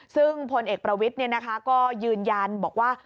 ซึ่งพลเอกประวิทย์ก็ยืนยันบอกว่า